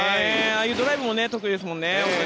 ああいうドライブも得意ですもんね。